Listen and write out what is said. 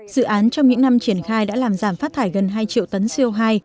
dự án trong những năm triển khai đã làm giảm phát thải gần hai triệu tấn co hai